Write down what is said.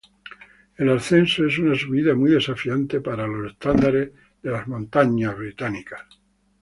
El ascenso es una subida muy desafiante para los estándares de las montañas británicas.